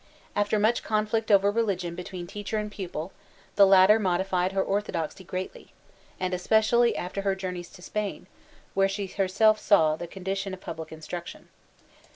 After much conflict over religion between teacher and pupil, the latter modified her orthodoxy greatly ; and especially after her journeys to Spain, where she herself saw the condition of public instruction.